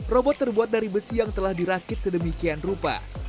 robot terbuat dari besi yang telah dirakit sedemikian rupa